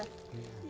ada bocor alusnya ya